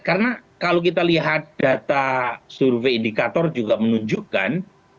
karena kalau kita lihat data survei indikator juga menunjukkan